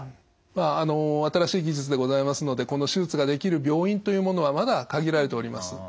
まあ新しい技術でございますのでこの手術ができる病院というものはまだ限られております。